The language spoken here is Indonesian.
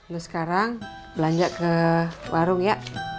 lalu sekarang belanja ke warung ya